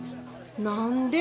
何で？